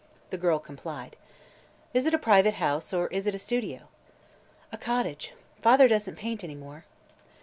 The girl complied. "Is it a private house, or is it a studio?" "A cottage. Father doesn't paint any more."